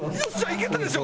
いけたでしょ？